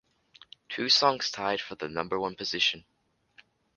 Two songs tied for the number one position.